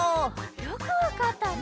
よくわかったね。